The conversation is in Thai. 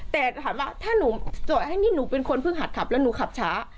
แต่ถามว่าถ้าหนูจอดให้นี่หนูเป็นคนเพิ่งหัดขับแล้วหนูขับช้า